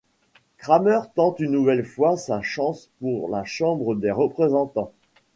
Cramer tente une nouvelle fois sa chance pour la Chambre des représentants.